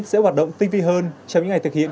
sẽ hoạt động tinh vi hơn trong những ngày thực hiện